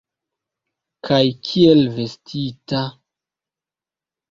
Kaj kiel vestita!